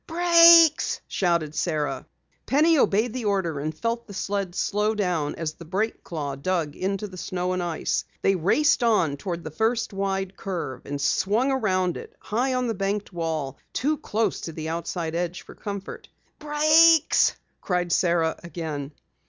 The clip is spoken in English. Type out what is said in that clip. "Brakes!" shouted Sara. Penny obeyed the order, and felt the sled slow down as the brake claw dug into the snow and ice. They raced on toward the first wide curve, and swung around it, high on the banked wall, too close to the outside edge for comfort. "Brakes!" called Sara again.